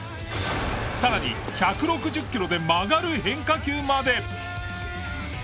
さらに１６０キロで曲がる変化球まで。